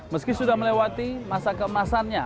meski sudah melewati masa keemasannya